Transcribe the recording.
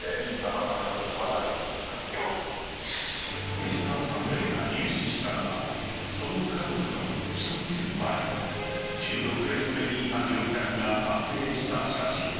「Ｍｒ．サンデー」が入手したのはその家族の１つ前１６列目にいた乗客が撮影した写真。